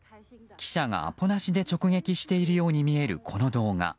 記者がアポなしで直撃しているように見えるこの動画。